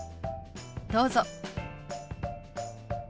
どうぞ。